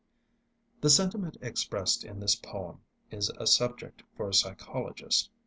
The sentiment expressed in this poem is a subject for a psychologist.